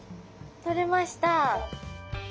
取れました。